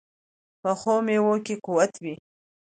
پخو میوو کې قوت وي